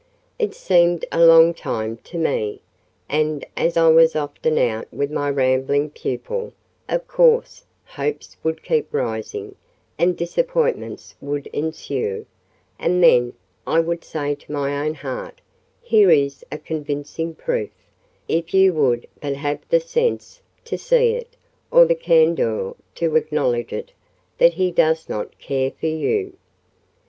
It seemed a long time to me: and, as I was often out with my rambling pupil, of course hopes would keep rising, and disappointments would ensue; and then, I would say to my own heart, "Here is a convincing proof—if you would but have the sense to see it, or the candour to acknowledge it—that he does not care for you.